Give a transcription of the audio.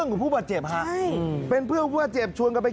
กันไกล